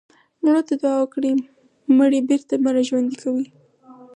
مړو ته دعا وکړئ مړي بېرته مه راژوندي کوئ.